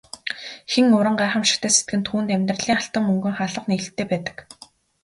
Хэн уран гайхамшигтай сэтгэнэ түүнд амьдралын алтан мөнгөн хаалга нээлттэй байдаг.